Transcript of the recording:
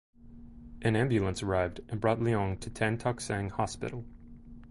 An ambulance arrived and brought Leong to Tan Tock Seng Hospital.